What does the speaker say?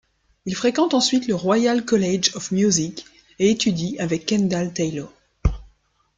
Il fréquente ensuite le Royal College of Music et étudie avec Kendall Taylor.